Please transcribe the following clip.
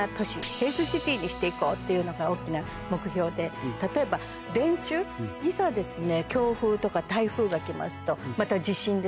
セーフシティにしていこうというのが大きな目標で例えば電柱いざ強風とか台風が来ますとまた地震ですね。